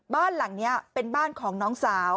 บ้านหลังนี้เป็นบ้านของน้องสาว